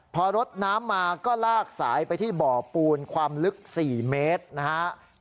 พอรถน้ำมาก็ลากสายไปที่บ่อปูนความลึก๔เมตรนะครับ